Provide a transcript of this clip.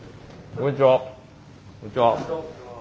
こんにちは。